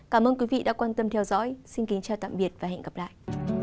cảm ơn quý vị đã quan tâm theo dõi xin kính chào và hẹn gặp lại